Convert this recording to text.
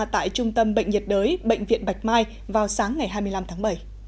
tại trung tâm bệnh nhiệt đới bệnh viện bạch mai vào sáng ngày hai mươi năm tháng bảy